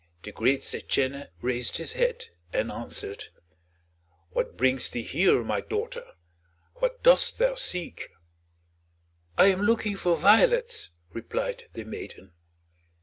The great Setchène raised his head and answered: "What brings thee here, my daughter? What dost thou seek?" "I am looking for violets," replied the maiden.